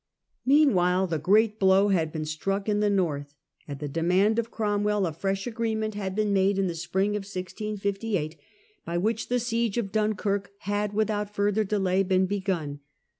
Meanwhile the great blow had been struck in the north. At the demand of Cromwell a fresh agreement Siege of had been made in the spring of 1658 by which Dunkirk. the siege of Dunkirk had without further delay been begun.